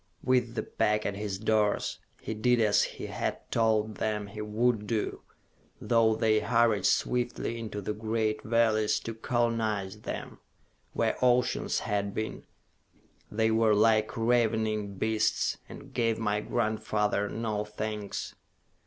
With the pack at his doors, he did as he had told them he would do. Though they hurried swiftly into the great valleys to colonize them where oceans had been they were like ravening beasts, and gave my grandfather no thanks.